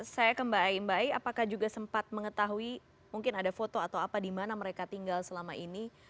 saya ke mbak ai mbak ai apakah juga sempat mengetahui mungkin ada foto atau apa di mana mereka tinggal selama ini